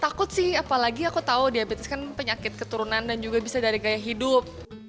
takut sih apalagi aku tahu diabetes kan penyakit keturunan dan juga bisa dari gaya hidup